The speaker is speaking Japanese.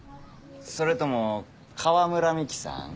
それとも川村ミキさん？